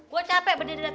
gue capek berdiri dari tadi